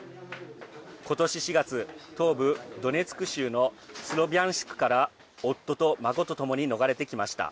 ことし４月、東部ドネツク州のスロビャンシクから夫と孫とともに逃れてきました。